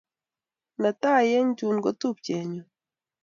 Ne tai eng' chun ko tupchenyun.